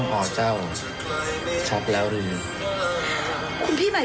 ขอบคุณค่ะ